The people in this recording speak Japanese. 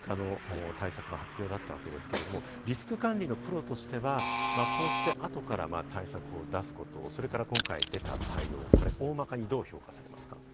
会見からおよそ１週間たっての追加の対策の発表だったわけですけれども、リスク管理のプロとしてはこうして後から対策を出すこと、それから今回出た対応、大まかにどう評価されますか？